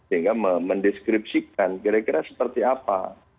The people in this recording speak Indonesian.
sehingga mendeskripsikan kira kira seperti apa